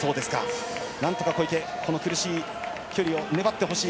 なんとか小池苦しい距離を粘ってほしい。